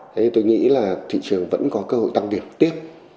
thế nên tôi nghĩ là thị trường vẫn có cơ hội tăng việc tiếp